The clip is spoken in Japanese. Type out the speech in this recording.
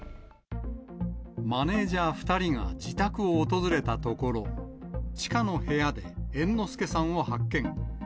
マネージャー２人が自宅を訪れたところ、地下の部屋で猿之助さんを発見。